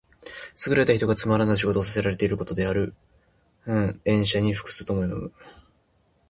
優れた人物がつまらぬ仕事をさせらていることである。「驥、塩車に服す」とも読む。